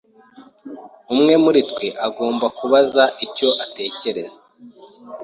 Umwe muri twe agomba kubaza icyo atekereza.